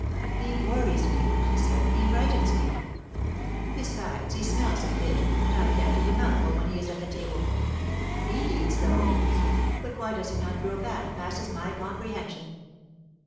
'' He worries me," she said ; he frightens me. Besides, he smells of fish, and I can't eat a mouthful when he is at the table. He eats, though ; but why he does not grow fat passes my comprehension